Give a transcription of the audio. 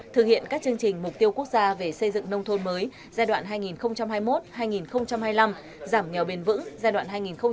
thực hiện các chương trình mục tiêu quốc gia về xây dựng nông thôn mới giai đoạn hai nghìn hai mươi một hai nghìn hai mươi năm giảm nghèo bền vững giai đoạn hai nghìn hai mươi một hai nghìn hai mươi năm